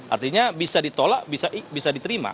artinya bisa ditolak bisa diterima